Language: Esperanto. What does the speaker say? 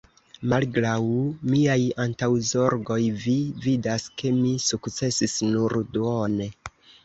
Malgraŭ miaj antaŭzorgoj, vi vidas, ke mi sukcesis nur duone.